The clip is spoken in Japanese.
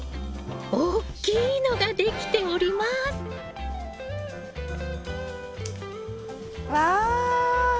大きいのができております！わ！